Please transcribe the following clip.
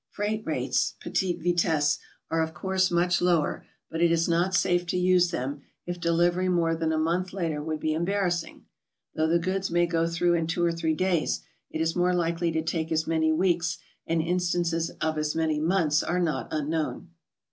Freight rates, "petite vitesse," are of course much lower, but it is not safe to use them if delivery more than a month later would be embarrassing. Though the goods may go through in two or three days, it is more likely to take as many weeks, and instances of as many months are not un known.